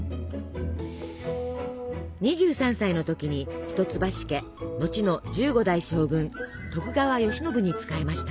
２３歳の時に一橋家のちの１５代将軍徳川慶喜に仕えました。